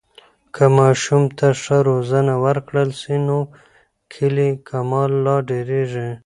که ماشوم ته ښه روزنه ورکړل سي، نو کلی کمال لا ډېرېږي.